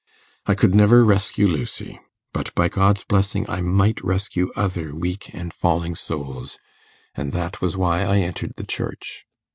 I could never rescue Lucy; but by God's blessing I might rescue other weak and falling souls; and that was why I entered the Church.